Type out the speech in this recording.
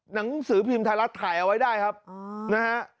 หนังสือพิมพ์ไทยรัฐถ่ายเอาไว้ได้ครับนะฮะ